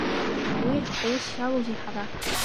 Уи ҳусс иалоузеи ҳара.